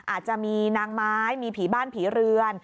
อาจจะมีนางไม้มีผีบ้านผีเรือน